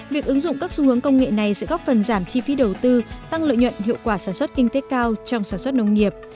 việc ứng dụng các xu hướng công nghệ này sẽ góp phần giảm chi phí đầu tư tăng lợi nhuận hiệu quả sản xuất kinh tế cao trong sản xuất nông nghiệp